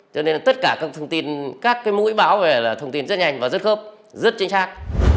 cho nên là tất cả các thông tin các cái mũi báo về là thông tin rất nhanh và rất khớp rất chính xác